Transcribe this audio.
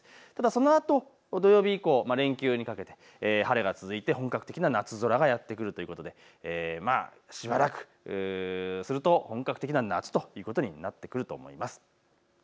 そのあと土曜日以降、連休にかけて晴れが続いて本格的な夏空がやって来るということでしばらくすると本格的な夏ということになってくると思います。